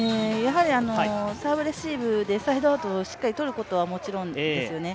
サーブレシーブでサイドアウトをしっかり取ることはもちろんですよね。